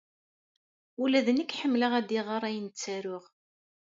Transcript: Ula d nekk ḥemmleɣ ad iɣer ayen ttaruɣ.